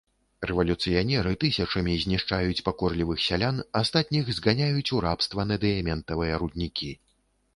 Рэвалюцыянеры тысячамі знішчаюць пакорлівых сялян, астатніх зганяюць у рабства на дыяментавыя руднікі.